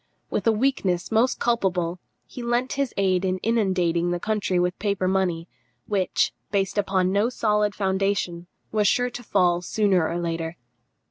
With a weakness most culpable, he lent his aid in inundating the country with paper money, which, based upon no solid foundation, was sure to fall, sooner or later.